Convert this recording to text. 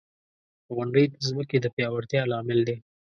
• غونډۍ د ځمکې د پیاوړتیا لامل دی.